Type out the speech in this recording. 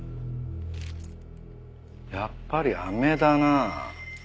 やっぱりあめだな。